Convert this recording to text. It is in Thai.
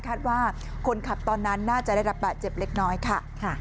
คาดว่าคนขับตอนนั้นน่าจะได้รับบาดเจ็บเล็กน้อยค่ะ